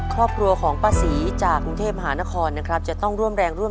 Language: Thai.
ครอบครัวของป้าศรีจากกรุงเทพมหานครนะครับจะต้องร่วมแรงร่วม